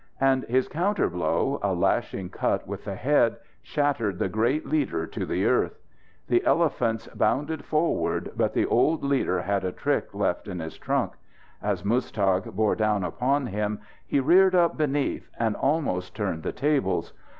And his counter blow, a lashing cut with the head, shattered the great leader to the earth. The elephants bounded forward, but the old leader had a trick left in his trunk. As Muztagh bore down upon him he reared up beneath, and almost turned the tables.